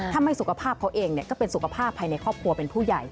ถ้าไม่สุขภาพเขาเองก็เป็นสุขภาพภายในครอบครัวเป็นผู้ใหญ่